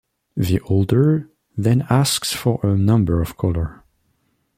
The holder then asks for a number or color.